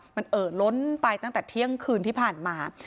มันเอ่อล้นไปตั้งแต่เที่ยงคืนที่ผ่านมา